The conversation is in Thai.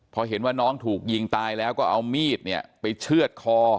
พอเห็นว่าน้องถูกยิงตายแล้วก็เอามีดเนี่ยไปเชื่อดคอ